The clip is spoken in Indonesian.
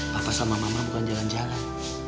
papa sama mama bukan jalan jalan